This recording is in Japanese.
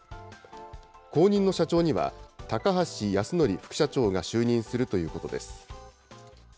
後任の社長には、高橋誉則副社長が就任するということです。